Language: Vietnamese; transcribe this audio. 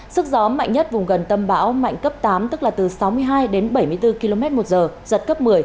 sức gió mạnh nhất vùng gần tâm bão mạnh cấp tám tức là từ sáu mươi hai đến bảy mươi bốn km một giờ giật cấp một mươi